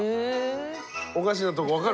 おかしなとこ分かる？